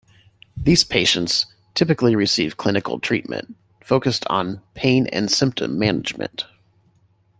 These patients typically receive clinical treatment focused on pain and symptom management.